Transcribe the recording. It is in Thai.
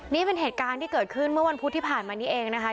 นี่เป็นเหตุการณ์ที่เกิดขึ้นเมื่อวันพุธที่ผ่านมานี้เองนะคะ